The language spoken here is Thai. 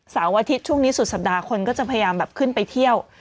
อาทิตย์ช่วงนี้สุดสัปดาห์คนก็จะพยายามแบบขึ้นไปเที่ยว